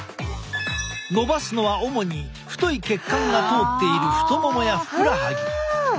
のばすのは主に太い血管が通っている太ももやふくらはぎ。